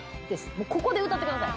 もうここで歌ってください。